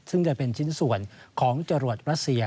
ซึ่งจะเป็นชิ้นส่วนของจรวดรัสเซีย